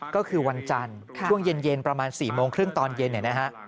ก็คือวันจันทร์ช่วงเย็นประมาณ๔โมงครึ่งตอนเย็น